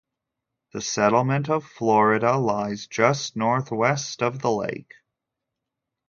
The settlement of Florida lies just northwest of the lake.